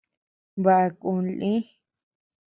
Baʼa kun lï.